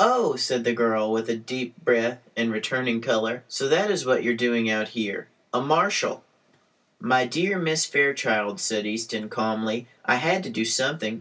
"Oh!" said the girl, with a deep breath and returning color. "So that is what you are doing out here? A marshal!" "My dear Miss Fairchild," said Easton, calmly, "I had to do something.